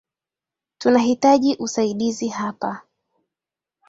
Tunahitaji usaidizi hapa